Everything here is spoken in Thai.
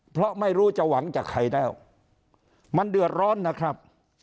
เพราะไม่รู้จะหวังจากใครแล้วมันเดือดร้อนนะครับ